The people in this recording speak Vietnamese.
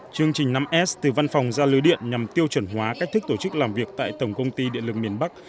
chương trình năm s từ văn phòng ra lưới điện nhằm tiêu chuẩn hóa cách thức tổ chức làm việc tại tổng công ty điện lực miền bắc